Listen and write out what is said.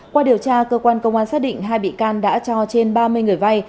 qua điều tra cơ quan công an xác định hai bị can đã cho trên ba mươi người vay